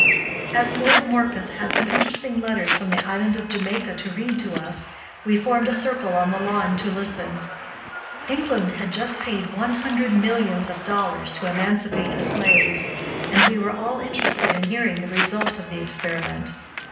As Lord Morpeth had some interesting letters from the island of Jamaica to read to us, we formed a circle on the lawn to listen. England had just paid one hundred millions of dollars to emancipate the slaves, and we were all interested in hearing the result of the experiment.